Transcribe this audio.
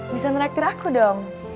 bisa merakit aku dong